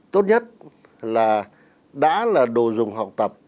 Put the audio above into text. tốt nhất là đã là đồ dùng học tập